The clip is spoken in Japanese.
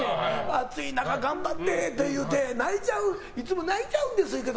暑い中頑張ってって言っていつも泣いちゃうんです言うて。